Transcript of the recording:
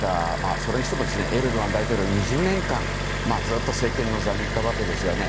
それにしてもエルドアン大統領２０年間ずっと政権の座にいたわけですよね。